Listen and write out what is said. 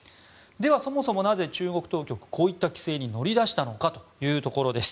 そもそも、なぜ中国当局はこういった規制に乗り出したのかというところです。